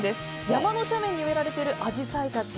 山の斜面に植えられているアジサイたち。